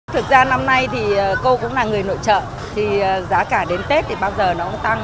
thực ra năm nay thì cô cũng là người nội trợ thì giá cả đến tết thì bao giờ nó cũng tăng